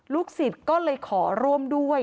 ลูกศิษย์ก็เลยขอร่วมด้วย